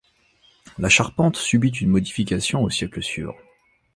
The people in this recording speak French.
La charpente subit une modification au siècle suivant.